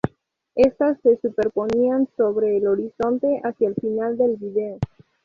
Estas se superponían sobre el horizonte hacia el final del vídeo.